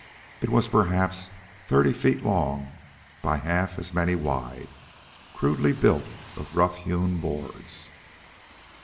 It was perhaps thirty feet long by half as many wide, crudely built of rough hewn boards.